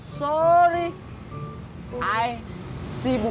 sorry i sibuk